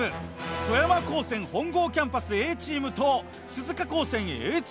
富山高専本郷キャンパスＡチームと鈴鹿高専Ａチームです。